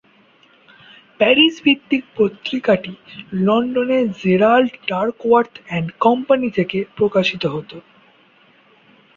Paris ভিত্তিক পত্রিকাটি লন্ডনের জেরাল্ড ডাকওয়ার্থ অ্যান্ড কোম্পানি থেকে প্রকাশিত হত।